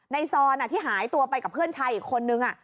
ซอนที่หายตัวไปกับเพื่อนชายอีกคนนึง